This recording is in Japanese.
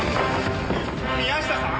宮下さん？